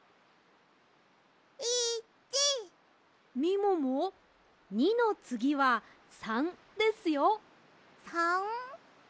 みもも２のつぎは３ですよ。